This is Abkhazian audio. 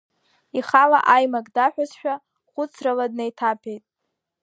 Ихала аимак даҳәозшәа, хәыцрала днеиҭаԥеит.